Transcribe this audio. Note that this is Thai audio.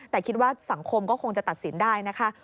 แต่คิดว่าสังคมก็คงจะตัดสินได้นะคะ